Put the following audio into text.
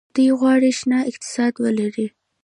دوی غواړي شنه اقتصاد ولري.